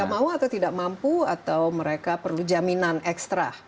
tidak mau atau tidak mampu atau mereka perlu jaminan ekstra